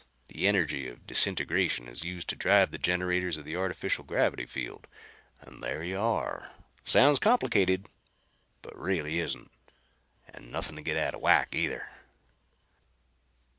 The energy of disintegration is used to drive the generators of the artificial gravity field, and there you are. Sounds complicated, but really isn't. And nothing to get out of whack either."